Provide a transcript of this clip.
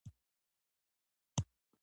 د هغو بهیرونو لپاره لاره زیاته هواره شوه.